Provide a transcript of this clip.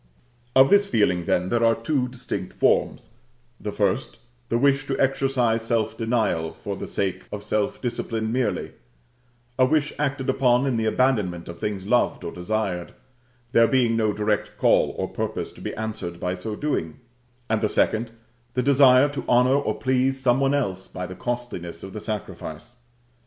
Of this feeling, then, there are two distinct forms: the first, the wish to exercise self denial for the sake of self discipline merely, a wish acted upon in the abandonment of things loved or desired, there being no direct call or purpose to be answered by so doing; and the second, the desire to honor or please some one else by the costliness of the sacrifice.